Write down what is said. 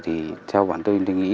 thì theo bản thân tôi nghĩ